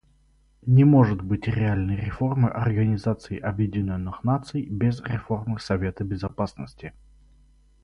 Не может быть реальной реформы Организации Объединенных Наций без реформы Совета Безопасности.